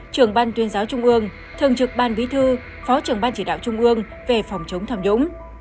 trưởng ban tuyên giáo trung ương thường trực ban bí thư phó trưởng ban chỉ đạo trung ương về phòng chống tham nhũng